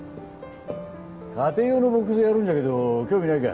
家庭用のボックスやるんじゃけど興味ないか？